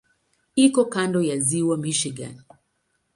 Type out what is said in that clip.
Iko kando ya Ziwa Michigan.